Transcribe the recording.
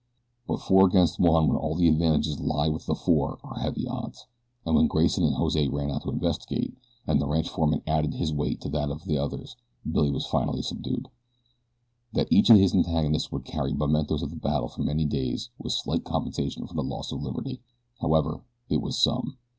But four against one when all the advantages lie with the four are heavy odds, and when Grayson and Jose ran out to investigate, and the ranch foreman added his weight to that of the others Billy was finally subdued. That each of his antagonists would carry mementos of the battle for many days was slight compensation for the loss of liberty. However, it was some.